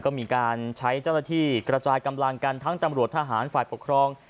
ก็มีการใช้เจ้าหน้าที่กระจายกำลังกันทั้งตำรวจทหารฝ่ายปกครอง